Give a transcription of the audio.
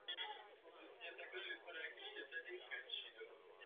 Nicolaus Otto vynalezl Ottův motor.